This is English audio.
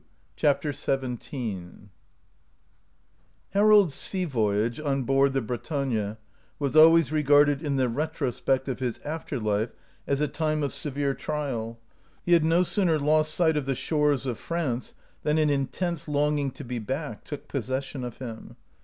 CHAPTER XVII HAROLD'S sea voyage on board the " Bretagne " was always regarded in the retrospect of his after life as a time of severe trial. He had no sooner lost sight of the shores of France than an intense longing to be back took possession of him.